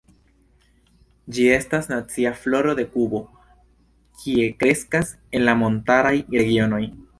Ĝi estas nacia floro de Kubo, kie kreskas en la montaraj regionoj.